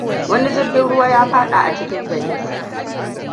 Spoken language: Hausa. Wani jirgin ruwa ya fadi a cikin Venice.